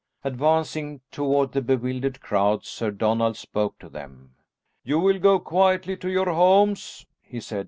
Advancing toward the bewildered crowd, Sir Donald spoke to them. "You will go quietly to your homes," he said.